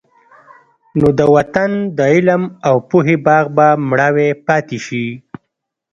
نو د وطن د علم او پوهې باغ به مړاوی پاتې شي.